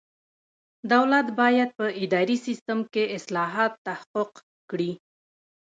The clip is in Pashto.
دولت باید په اداري سیسټم کې اصلاحات تحقق کړي.